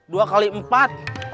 dua kali empat